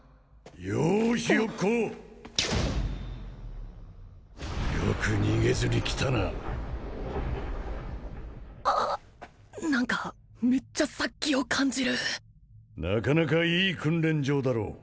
ようひよっこよく逃げずに来たなああ何かめっちゃ殺気を感じるなかなかいい訓練場だろう